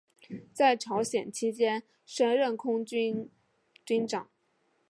在朝鲜期间升任空四军军长。